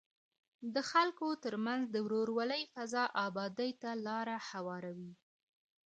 د خلکو ترمنځ د ورورولۍ فضا ابادۍ ته لاره هواروي.